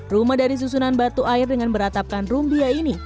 rumah dari susunan batu air dengan beratapkan rumbia ini